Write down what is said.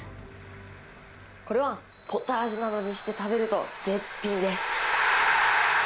これはポタージュなどにして食べると絶品です。